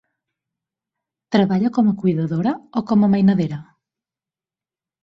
Treballa com a cuidadora o com a mainadera?